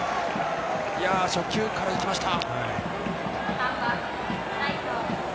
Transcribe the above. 初球からいきました。